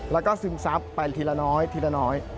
แล้วก็ซึมซับไปทีละน้อยทีละน้อย